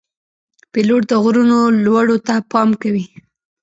پیلوټ د غرونو لوړو ته پام کوي.